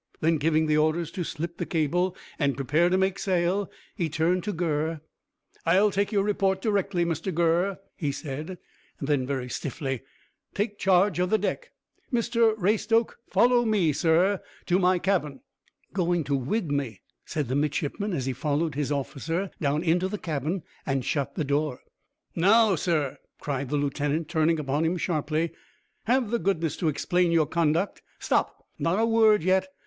Then, giving the orders to slip the cable, and prepare to make sail, he turned to Gurr. "I'll take your report directly, Mr Gurr," he said. Then, very stiffly, "Take charge of the deck. Mr Raystoke, follow me, sir, to my cabin." "Going to wig me," said the midshipman, as he followed his officer down into the cabin and shut the door. "Now, sir," cried the lieutenant, turning upon him sharply, "have the goodness to explain your conduct. Stop not a word yet.